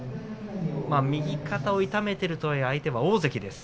右肩を痛めているとはいえ相手は大関です。